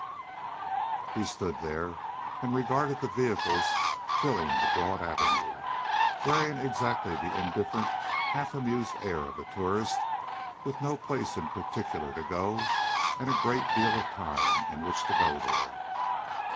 He stood there and regarded the vehicles filling the broad avenue, wearing exactly the indifferent, half amused air of a tourist with no place in particular to go and a great deal of time in which to go there.